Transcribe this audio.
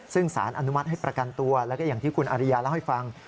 ซึ่งสารอนุมัติให้ประกันตัวแล้วก็อย่างที่คุณอริยาเล่าให้ฟัง